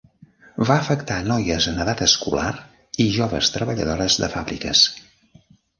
Va afectar noies en edat escolar i joves treballadores de fàbriques.